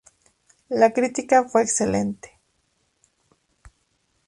La crítica fue excelente.